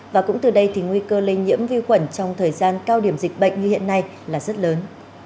và cũng từ đây thì nguy cơ lây nhiễm vi khuẩn trong thời gian cao điểm dịch bệnh như hiện nay là rất lớn